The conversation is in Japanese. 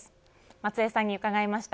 松江さんに伺いました。